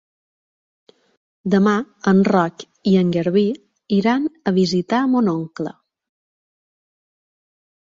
Demà en Roc i en Garbí iran a visitar mon oncle.